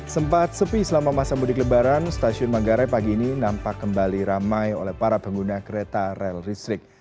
sempat sepi selama masa mudik lebaran stasiun manggarai pagi ini nampak kembali ramai oleh para pengguna kereta rel listrik